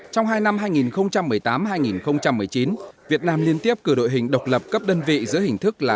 trong hai năm hai nghìn một mươi tám hai nghìn một mươi chín việt nam liên tiếp cử đội hình độc lập cấp đơn vị giữa hình thức là